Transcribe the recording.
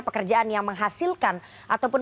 pekerjaan yang menghasilkan ataupun